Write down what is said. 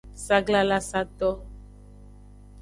Saglalasato.